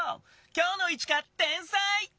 今日のイチカ天才！